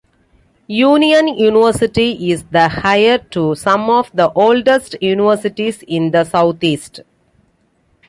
Union University is the heir to some of the oldest universities in the Southeast.